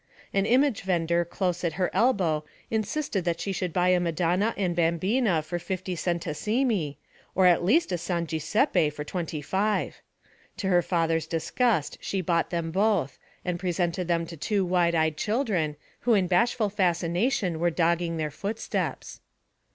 An image vendor close at her elbow insisted that she should buy a Madonna and Bambina for fifty centesimi, or at least a San Giuseppe for twenty five. To her father's disgust she bought them both, and presented them to two wide eyed children who in bashful fascination were dogging their footsteps.